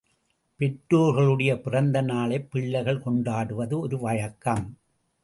பெற்றோர்களுடைய பிறந்த நாளைப் பிள்ளைகள் கொண்டாடுவது ஒரு வழக்கம்.